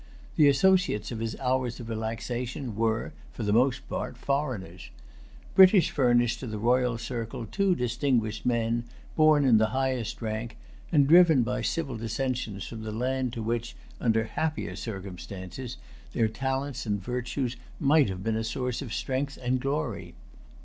The associates of his hours of relaxation were, for the most part, foreigners. Britain furnished to the royal circle two distinguished men, born in the highest rank, and driven by civil dissensions from the land to which, under happier circumstances, their talents and virtues might have been a source of strength and glory.